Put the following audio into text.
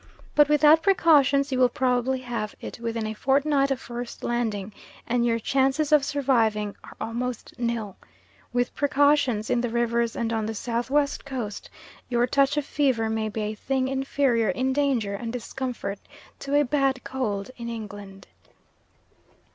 But, without precautions, you will probably have it within a fortnight of first landing, and your chances of surviving are almost nil. With precautions, in the Rivers and on the S.W. Coast your touch of fever may be a thing inferior in danger and discomfort to a bad cold in England.